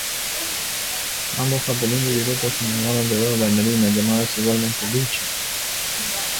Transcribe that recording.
Ambos, Capulina y Viruta se enamoran de dos bailarinas llamadas igualmente Lucha.